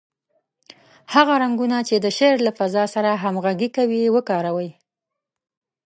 هغه رنګونه چې د شعر له فضا سره همغږي کوي، وکاروئ.